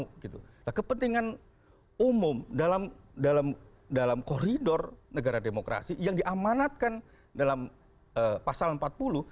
jadi itu kan umum dalam koridor negara demokrasi yang diamanatkan dalam pasal empat puluh